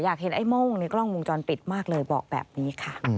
เห็นไอ้โม่งในกล้องวงจรปิดมากเลยบอกแบบนี้ค่ะ